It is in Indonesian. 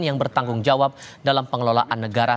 yang bertanggung jawab dalam pengelolaan negara